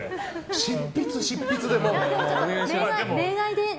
執筆、執筆でもう。